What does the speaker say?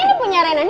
ini punya renanya